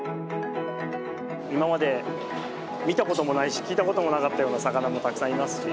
今まで見た事もないし聞いた事もなかったような魚もたくさんいますし。